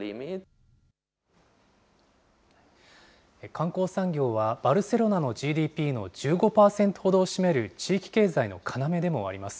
観光産業は、バルセロナのＧＤＰの１５％ほどを占める地域経済の要でもあります。